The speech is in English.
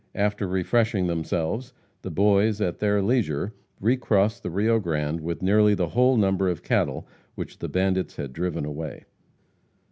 After refreshing themselves, the Boys, at their leisure, recrossed the Rio Grande with nearly the whole number of cattle which the bandits had driven away.